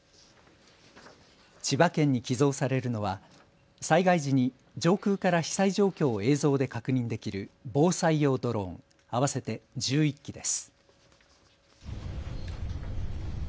千葉県に寄贈されるのは災害時に上空から被災状況を映像で確認できる、防災用ドローン合わせて１１機です。